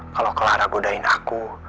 kalau clara bodain aku